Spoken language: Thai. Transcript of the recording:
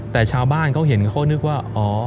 แต่ชาวบ้านเขาเห็นเขานึกว่าอ๋อ